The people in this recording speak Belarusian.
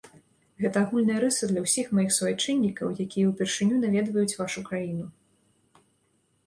Гэта агульная рыса для ўсіх маіх суайчыннікаў, якія ўпершыню наведваюць вашу краіну.